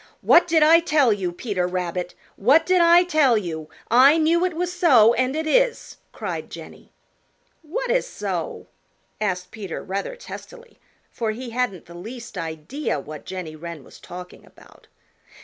"What did I tell you, Peter Rabbit? What did I tell you? I knew it was so, and it is!" cried Jenny. "What is so?" asked Peter rather testily, for he hadn't the least idea what Jenny Wren was talking about.